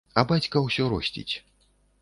А бацька ўсё росціць.